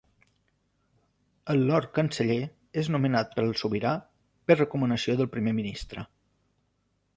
El Lord canceller és nomenat pel Sobirà per recomanació del Primer ministre.